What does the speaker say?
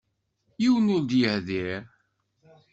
Yiwen ur d-yehdiṛ.